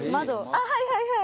あっはいはいはい！